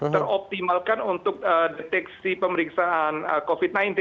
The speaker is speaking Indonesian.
teroptimalkan untuk deteksi pemeriksaan covid sembilan belas